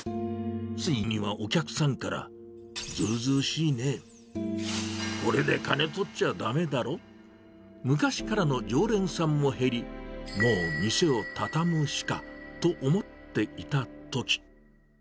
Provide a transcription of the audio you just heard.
ついにはお客さんからずうずうしいね、これで金取っちゃだめだろ、昔からの常連さんも減り、もう店を畳むしかと思っていたとき。